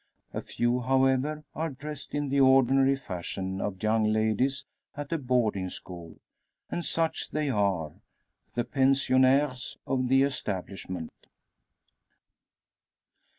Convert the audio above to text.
A few, however, are dressed in the ordinary fashion of young ladies at a boarding school; and such they are the pensionnaires of the establishment.